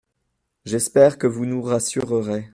J’espère que vous nous rassurerez.